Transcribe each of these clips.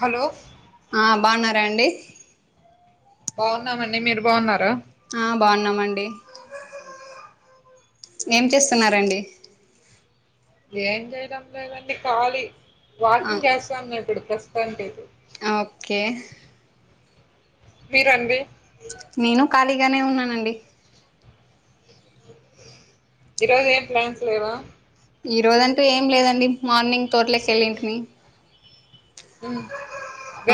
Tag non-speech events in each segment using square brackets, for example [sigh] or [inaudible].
Hello ఆ బాన్నారా అండి బాగున్నాం అండి మీరు బాగున్నార ఆ బాగున్నాం అండి ఏం చేస్తున్నారండి ఏం చేయడం లేదండి ఖాళీ ఆ వాకింగ్ చేస్తానా ఇప్పుడు ప్రస్తుతానికితే ఓకే మీరండి నేను ఖాళీగానే ఉన్నానండి ఈరోజు ఏం ప్లాన్స్ లేవా ఈ రోజంటూ ఏం లేదండి మార్నింగ్ తోట్లోకి వెళ్ళింటిమి ఉమ్మ్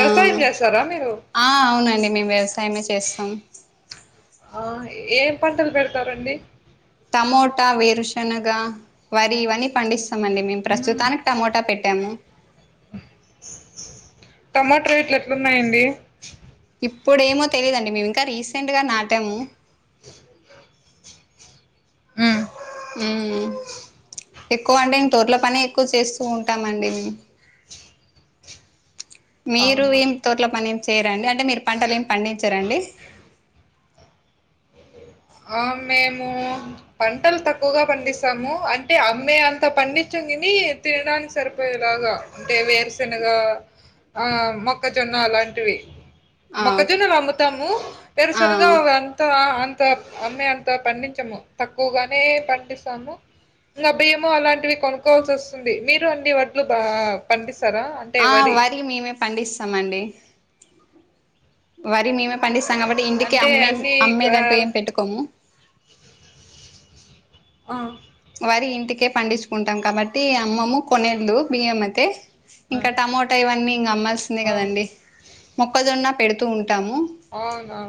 ఆ చేస్తారా మీరు ఆ అవునండి మేము వ్యవసాయమే చేస్తాం ఆ ఎం పంటలు పెడతారండి టమోటా వేరుశనగ వరి ఇవన్నీ పండిస్త మండి మేము ఉమ్ ప్రస్తుతానికి టమోటా పెట్టాము టమాట రేట్లు ఎట్లున్నాయండి ఇప్పుడేమో తెలిదండి మేము ఇంకా రీసెంట్ గా నాటాము ఉమ్మ్ ఉమ్మ్ ఎక్కువ అంటే ఇంక తోట్ల పనే ఎక్కువ చేస్తూ ఉంటాం అండి మేము మీరు అవునా ఏం తోట్లో పని ఏం చెయ్యరా అండి అంటే మీరు పంటలు ఏమి పండించర అండి ఆ మేము పంటలు తక్కువగా పండిస్తాము అంటే అమ్మే అంత పండించంగానీ తినడానికి సరిపోయేలాగా అంటే వేరుశెనగా ఆ మొక్కజొన్న అలాంటివి ఆ మొక్కజొన్నలు అమ్ముతాము ఆ వేరుశనగ ఒక అంత అ అంత అమ్మే అంతా పండించము తక్కువగానే పండిస్తాము ఇంకా భీము అలాంటివి కొనుకోవాల్సి వస్తుంది మీరు అండి వడ్లు బా పండిస్తారా ఆ వరి మేమే పండిస్తామండి వరి మేమే పండిస్తాం కాబట్టి హ్మ్. ఇంటికి అంటే అమ్మే అన్నీ క అమ్మేదంటూ ఏం పెట్టుకోము ఆ వరి ఇంటికే పండించుకుంటాం కాబట్టి అమ్మము కొనిల్లు బియ్యంమయితే ఆ! ఇంక టమోటా ఇవన్నీ ఇంగ అమ్మాల్సిందే ఆ! కద అండి మొక్కజొన్న పెడుతూ ఉంటాము అవునా!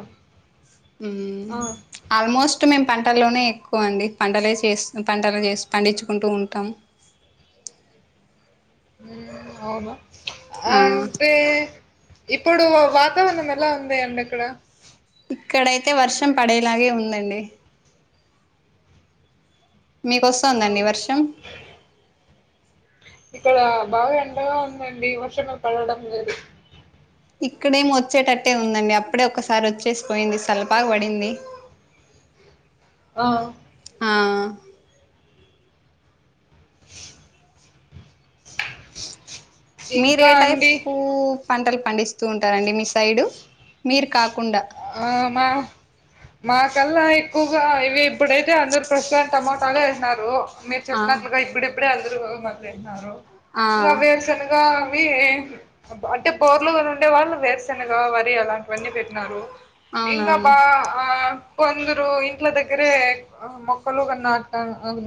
ఉమ్మ్ ఆ! ఆల్మోస్ట్ మేము పంటల్లోనే ఎక్కువ అండి పంటలే చేస్త పంటలు చేసి పండించుకుంటూ ఉంటాం ఉమ్ అవును ఆ అంటే ఇప్పుడు వాతావరణం ఎలా ఉందండి అక్కడ ఇక్కడైతే వర్షం పడేలాగే ఉందండి మీకొస్తుందండి అవున వర్షం ఇక్కడ బాగా ఎండగా ఉందండి వర్షము ఏం పడడం లేదు ఇక్కడేమి వచ్చేటట్టే ఉందండి అప్పుడే ఒకసారి వచ్చేసి పోయింది సల్పగ పడింది ఆ ఆ మీరు ఇంకా ఏ అండి టైపు పంటలు పండిస్తూ ఉంటారండి మీ సైడు మీరు కాకుండా ఆ మ మాకల్లా ఎక్కువగా ఇవి ఇప్పుడైతే అందరు ప్రస్తుతాం టమోటాలు వేసిన్నారు మీరు ఆ చెప్పినట్లుగా ఇప్పుడిప్పుడే అందరు మళ్ళీన్నారు ఆ మా వేరుసెనగ అవి అంటే బోర్లుగా ఉండే వాళ్ళు వేరుశెనగ వరి అలాంటివన్నీ పెట్టినారు ఇంకా అవునవును బా ఆ కొందరు ఇంట్ల దగ్గరే మొక్కలు కానీట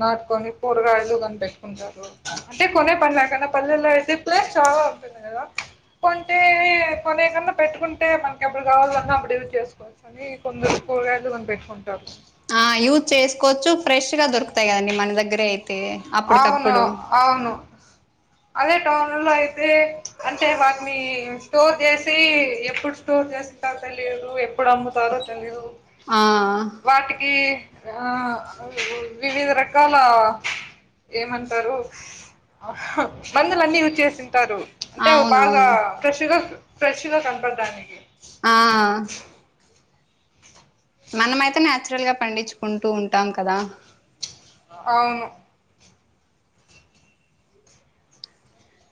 నాటుకొని కూరగాయలు గాని పేట్టుకుంటారు అంటే కొనే పనేలేకున పల్లెల్లో ఐతే ప్లేస్ చాలా ఉంటుంది కదా కొంటే కొనే కన్నా పెట్టుకుంటే మనకి ఎప్పుడు కావాలన్నా అప్పుడు చేసుకోని కొందరు కూరగాయలు కూడా పెట్టుకుంటారు ఆ యూజ్ చేసుకోచ్చు ఫ్రెష్ గా దొరుకుతాయి కదండి మన దగ్గరే అవును అప్పటికప్పుడు అవును అదే టౌన్లలో అయితే అంటే వాటిని స్టోర్ చేసి ఎప్పుడు స్టోర్ చేస్తారో ఆ తెలియదు ఎప్పుడు అమ్ముతారో తెలిదు ఆ వాటికి ఆ వివిధ రకాల ఏమంటారు ఆహ్ మందులు అన్ని వచ్చేసి ఉంటారు అంటే అవి బాగా అవునవును ఫ్రెష్గా ఫ్రెష్గా కనపడడానికి ఆ మనమైతే నచురల్ గా పండించుకుంటూ ఉంటాం కదా అవును ఆ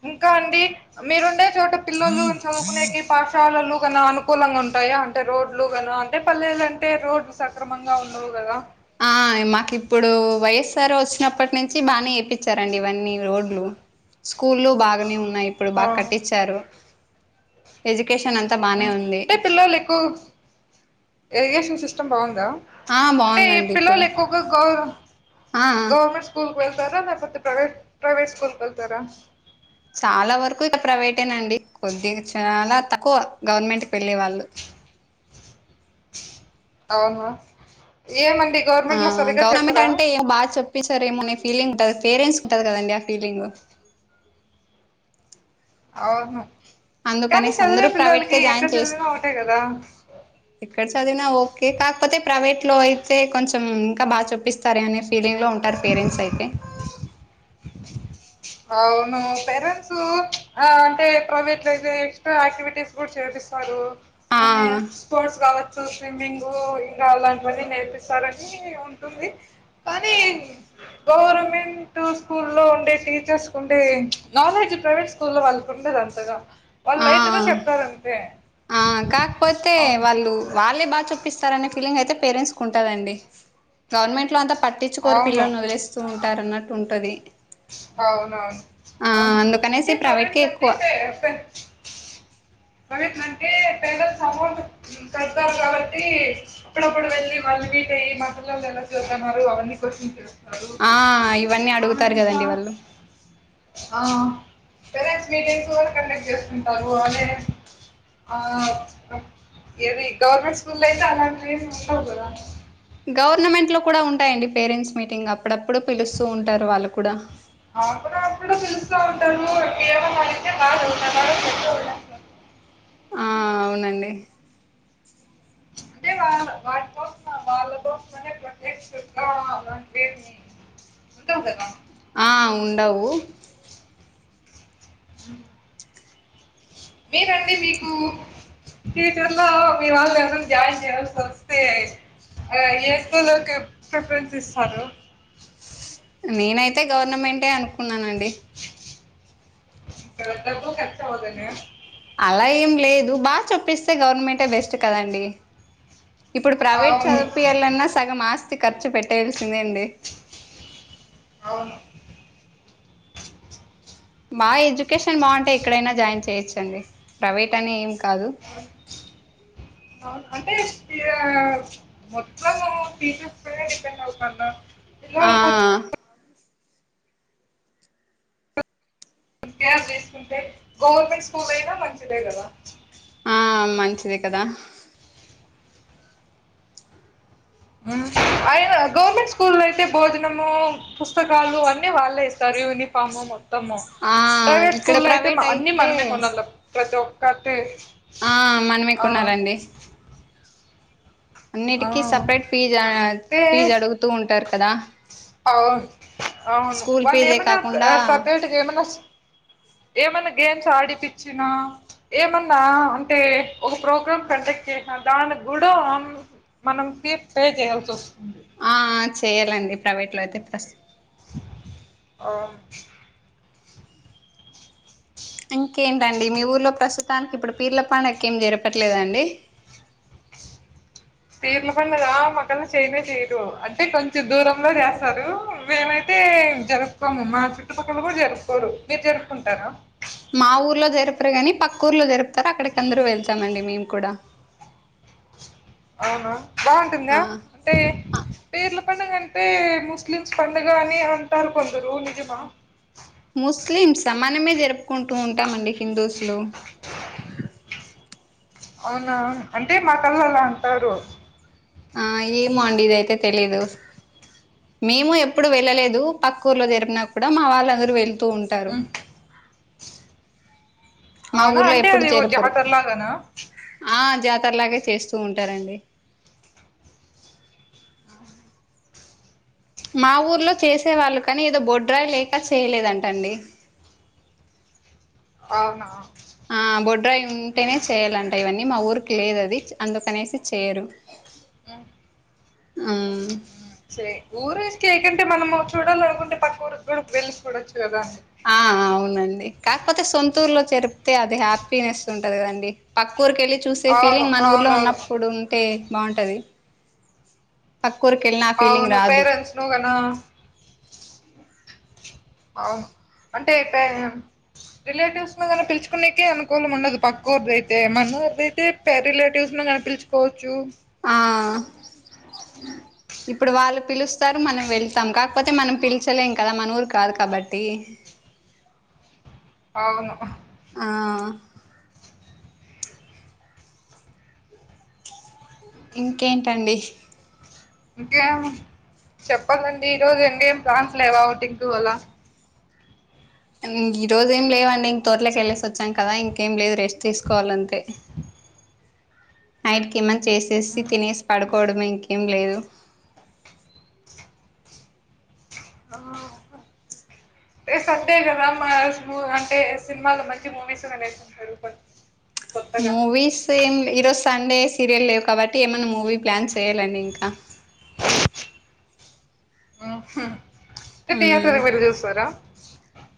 ఇంకా అండి మీరుండే చోటు పిల్లలు చదువుకునేకి పాఠశాలలు గణాలు అనుకూలంగా ఉంటాయా అంటే పల్లెలు అంటే రోడ్లు సక్రమంగా ఉండవు కదా అయ్ మాకు ఇప్పుడు వైయస్ఆర్ వచ్చినప్పటి నుంచి బాగానే వేపిచరండి ఇవన్నీ రోడ్లు స్కూలు బాగానే ఉన్నాయి ఇప్పుడు ఆ బాగా కట్టించారు ఎడ్యుకేషన్ అంతా బాగుంది అంటే పిల్లలు ఎక్కువ మంది ఉంటారు కదా ఎడ్యుకేషన్ సిస్టమ్ బాగుందా ఆ అంటే బాగుందండి ఇప్పుడు పిల్లలు ఎక్కువగా ఆ ఆ గవర్నమెంట్ స్కూళ్ల స్కూల్ వెళ్తారా లేకపోతే ప్రైవేట్ స్కూల్ కి వెళ్తారా చాలా వరకు ఇక ప్రైవేటేనాండి కొద్దిగా చాలా తక్కువ గవర్నమెంట్ కి వెళ్ళే వాళ్ళు అవునా ఏమంటె ఆ గవర్నమెంట్ అంటే ఏం బాగా చోపిస్తారేమో అనే ఫీలింగ్ ఉంటది పేరెంట్స్ కి ఉంటది కదండి ఆ ఫీలింగ్ అవును కానీ అందుకనేసి చదివే అందరూ ప్రైవేట్ పిల్లలకి కే ఎక్కడ జాయిన్ చేస్ చదివిన ఒకటే కదా ఎక్కడ చదివినా ఓకే కాకపోతే ప్రైవేట్ లో అయితే కొంచెం ఇంకా బాగ చేపిస్తారు అనేసి అనే ఫీలింగ్ లో ఉంటారు పేరెంట్స్ అయితే అవును పేరెంట్స్ ఆ అంటే ప్రైవేట్ లో అయితే ఎక్స్ట్రా ఆక్టివిటీస్ కుడా చేపిస్తాడు ఆ రమేష్ స్పోర్ట్స్ కావచ్చు స్విమ్మింగ్ ఇంకా అలాంటివన్నీ నేర్పిస్తారని ఉంటుంది కానీ గవర్నమెంట్ స్కూల్ లో ఉండే చూసుకుంటే ఏం నాలెడ్జ్ ప్రైవేట్ స్కూల్ లో వాళ్ళకు ఉండది అంతగా వాళ్ళు ఆ లైట్ గా చెప్తారు అంతే ఆ కాకపోతే అవును వాళ్ళు వాళ్ళే బాగా చెప్పిస్తారనే ఫీలింగ్ అయితే పేరెంట్స్ కు ఉంటదండి గవర్నమెంట్ లో అంత పట్టిచుకోరు అవును పిల్లలనొదిలేస్తూ ఉంటారన్నట్టు ఉంటది అవునవున్ ఆ అవును అంటే అందుకనేసి ప్రైవేట్ కే ప్రొవేట్ లంటే ఎక్కువ ఫె ఫె ప్రవేట్ లంటే ఫె ఉ కడతాం కాబట్టి అప్పుడప్పుడు వెళ్ళి వాళ్ళు మీట్ అయ్యి మాపిల్లోళ్ ఎలా చవుతన్నారు అవన్నీ కోశన్స్ ఆ ఇవన్నీ అడుగుతారు గదండి వాళ్ళు ఆ పేరెంట్స్ మీటింగ్స్ కూడా కండక్ట్ చేస్తుంటారు వాళ్ళే ఆ అప్ ఏది గవర్నమెంట్ స్కూల్ దయితే అలాంటివేం ఉండవు గదా గవర్నమెంట్ లో కూడా ఉంటాయండి పేరెంట్స్ మీటింగ్ అప్పుడప్పుడు పిలుస్తూ ఉంటారు వాళ్ళు కూడా ఆప్పుడప్పుడు పిలుస్త ఉంటరు ఏమన్నా అడిగితే బ చదువుతన్నారు పెద్దోల్ ఆ అవునండి అంటే వాల్ వాట్ కోసమా వాళ్ళ కోసం [unintelligible] ఉంటవ్ గదా ఆ ఉండవు మీరండి మీకు ఫ్యూచర్లో మీవాళ్ళు ఎవరన్న జాయిన్ చెయ్యాల్సి ఒస్తే అ ఏ స్కూల్ కి ప్రిఫరెన్స్ ఇస్తారు నేనైతే గవర్నమెంటే అనుకున్నానండి అ డబ్బు ఖర్చువ్వదనా అలా ఏం లేదు బా చెప్పిస్తే గవర్నమెంటే బెస్ట్ కదండి ఇప్పుడు ప్రైవేట్ అవును చదుపియాలన్నా సగం ఆస్తి ఖర్చు పెట్టేయలసిందే ఎండి అవును మా ఎడ్యుకేషన్ బావుంటే ఎక్కడైనా జాయిన్ చేయొచ్చండి ప్రైవేట్ అనేం కాదు అన్ అవును అంటే స్టియా మొత్తము టీచర్స్ పైనే డిపెండ్ అవుతాన్న ఆ పిల్లలు కొచ్ కేర్ తీసుకుంటే గవర్నమెంట్ స్కూల్ అయినా మంచిదే గదా ఆ మంచిదే కదా ఉం అయన గవర్నమెంట్ స్కూల్లోయితే భోజనము పుస్తకాలు అన్నీ వాళ్ళే ఇస్తారు యూనిఫాము మొత్ త్తము ఆ ప్రైవేట్ ఇక్కడ స్కూల్ లో అయితే ప్రైవేట్ మ అన్ని మనమే కొనాల ప్రతి ఒక్కతే ఆ మనమే కొనాలండి ఆ అన్నిటికిీ సపరేట్ ఫీజా ఫీజ్ అడుగుతూ ఉంటారు కదా అవున్ అవును స్కూల్ ఫీజే వాళ్లేమన్నా కాకుండా అ సెపరేటగ ఏమనస్ ఏమన్న గేమ్స్ ఆడిపిచ్చినా ఏమన్నా అంటే ఒక ప్రోగ్రామ్ కండక్ట్ చేసాన్ దాని గ్గూడాం మనం ఫీర్ పే జేయాల్స్ ఒస్తుంది ఆ చేయలండి ప్రైవేట్ లో అయితే ప్రస్ అమ్ ఇంకేంటండి మీ ఊర్లో ప్రస్తుతానికిప్పుడు పీర్ల పండక్కేం జరపట్లేదా అండి పీర్ల పండగా మాకల్ల చేయనే చేయరు అంటే కొంచెం దూరంలో చేస్తారు మేమైత్ తే జరుపుకోము మా చుట్టుపక్కల గూడ్ జరుపుకోరు మీర్ జరుపుకుంటారా మా ఊర్లో జరుపరు గాని పక్కూర్లో జరుపుతారు అక్కడి కందరూ వెళ్తామండి మేము కూడా అవునా బావుంటుందా ఆ టే ఆ పీర్ల పండగంటే ముస్లిమ్స్ పండుగ అని అంటారు కొందరు నిజమా ముస్లిమ్స్ సమానమే జరుపుకుంటూ ఉంటామండి హిందూస్లు అవునా అంటే మాకల్ల అంటారు ఆ ఏమో అండి ఇది అయితే తెలీదు మేము ఎప్పుడు వెళ్ళలేదు పక్క్క ఊర్లో జరిపినా కూడా మా వాళ్ళు అందరూ వెళ్తూ ఉంటారు ఉమ్. మా అవునా ఊర్లో అంటే ఎప్పుడు అది ఓ జెరపరు జాతరలాగానా ఆ జాతరలాగే చేస్తూ ఉంటారండి మా ఊర్లో చేసే వాళ్ళు కానీ ఏదో బొడ్రాయి లేక చేయలేదంటండి అవునా ఆ బొడ్రాయి ఉంటేనే చేయ్యాలంట ఇవన్నీ మా ఊరికి లేదు అది అందుకనేసి చేయరు హు అ సరే ఊరు వేసుక ఏకంటే మనము చూడాలనుకుంటే పక్క ఊరు కు వెళ్ళి చూడచ్చు కదా ఆ అవునండి కాకపోతే సొంతూర్లో చెరిపితే అది హ్యాపీనెస్ ఉంటది కదండి పక్క ఊరికెళ్ళి చూసే అవును ఫీలింగ్ మన ఊర్లో అవునవును ఉన్నప్పుడు ఉంటే బాగుంటది పక్కూరికి వెళ్ళిన ఆ ఫీలింగ్ అవును రాదు పేరెంట్స్ నువ్వు గదా ఆ అంటే పే రిలేటివ్స్ మీద పిలుచకునేకే అనుకూలం ఉండదు పక్కవురిదయితే మనవారిదైతే పే రిలేటివ్స్ ను నా పిలుచుకోవచ్చు ఆ ఇప్పుడు వాళ్ళు పిలుస్తారు మనం వెళ్తాం కాకపోతే మనం పిలిచలేం కదా మన ఊరు కాదు కాబట్టి అవును ఆ ఇంకేంటండి ఇంకేం చెప్పాలండి ఈ రోజు ఇంకేం ప్లాన్స్ లేవా ఓటింగ్ పోవాళ్ళా ఈ రోజు ఏం లేవండి తోటలోకి వెళ్ళేసి వచ్చాం కదా ఇంకేం లేదు రెస్ట్ తీసుకోవాలి అంతే నైట్ కి ఏమన్నా చేసేసి తినేసి పడుకోవడమే ఇంకేం లేదు అవు [inaudible] రేపు సండే కదా మాస్ అంటే సినిమాలో మంచి మూవీస్ వేస్తారు మూవీస్ ఏం ఈరోజు సండే సీరియల్ లేవు కాబట్టి ఏమైన్నా మూవీ ప్లాన్ చేయ్యాలండి ఇంకా ట్టే యాత్ర మ్మ్ దగ వెళ చూస్తారా [unintelligible]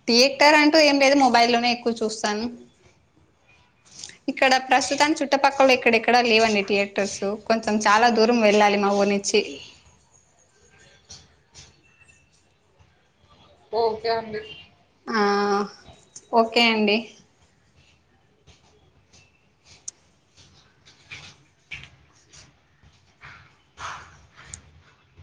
థియేటర్ అంటూ ఏం లేదు మొబైల్లోనే ఎక్కువ చూస్తాను ఇక్కడ ప్రస్తుతానికి చుట్టుపక్కల ఎక్కడెక్కడా లేవండి థియేటర్స్ కొంచెం చాలా దూరం వెళ్ళాలి మా ఊరినుంచి ఓకే అండి ఆ ఓకే అండి